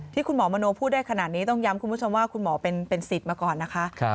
คุณหมอมโนพูดได้ขนาดนี้ต้องย้ำคุณผู้ชมว่าคุณหมอเป็นสิทธิ์มาก่อนนะคะ